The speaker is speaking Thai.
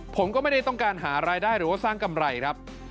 ผมก็ไม่ได้ต้องการหารายได้หรือว่าสร้างกำไรครับ